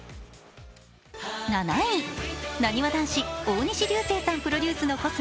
７位、なにわ男子大西流星さんプロデュースのコスメ